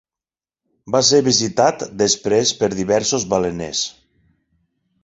Va ser visitat després per diversos baleners.